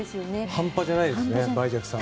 半端じゃないですね梅雀さんは。